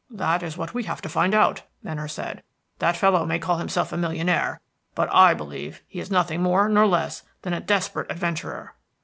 "That is what we have to find out," Venner said. "That fellow may call himself a millionaire, but I believe he is nothing more nor less than a desperate adventurer."